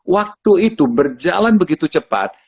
waktu itu berjalan begitu cepat